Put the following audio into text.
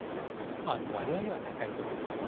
割合は高いと思いますね。